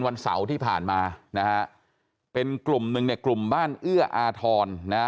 วันเสาร์ที่ผ่านมานะฮะเป็นกลุ่มหนึ่งเนี่ยกลุ่มบ้านเอื้ออาทรนะฮะ